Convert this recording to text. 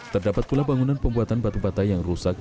terdapat pula bangunan pembuatan batu batai yang rusak